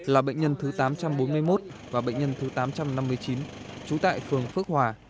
là bệnh nhân thứ tám trăm bốn mươi một và bệnh nhân thứ tám trăm năm mươi chín trú tại phường phước hòa